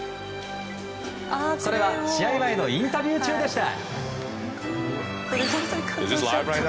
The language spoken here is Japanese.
それが試合前のインタビュー中でした。